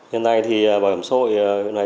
hiện nay thì bảo hiểm xã hội